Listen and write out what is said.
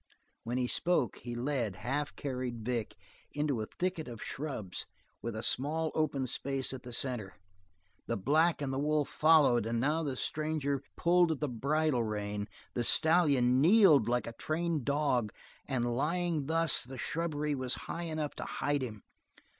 While he spoke, he led, half carried Vic, into a thicket of shrubs with a small open space at the center. The black and the wolf dog followed and now the stranger pulled at the bridle rein. The stallion kneeled like a trained dog, and lying thus the shrubbery was high enough to hide him.